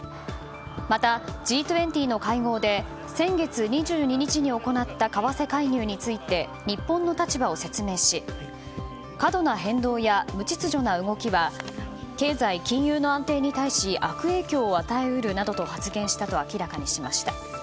また、Ｇ２０の会合で先月２２日に行った為替介入について日本の立場を説明し過度な変動や無秩序な動きは経済・金融の安定に対し悪影響を与え得るなどと発言したと明らかにしました。